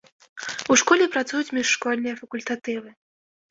У школе працуюць міжшкольныя факультатывы.